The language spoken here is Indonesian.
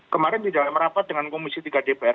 kemarin di dalam rapat dengan komisi tiga dpr